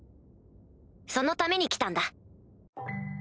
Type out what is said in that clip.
そのために来たんだ。